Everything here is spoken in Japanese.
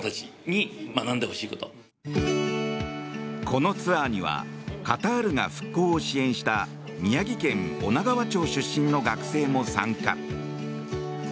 このツアーにはカタールが復興を支援した宮城県女川町出身の学生も参加。